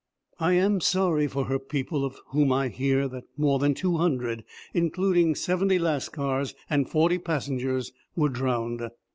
I am sorry for her people, of whom I hear that more than two hundred, including seventy Lascars and forty passengers, were drowned.